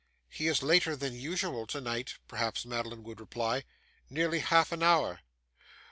'He is later than usual to night,' perhaps Madeline would reply. 'Nearly half an hour.